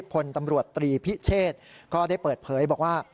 พลตำรวจตรีพิเชษก็ได้เปิดเผยบอกว่า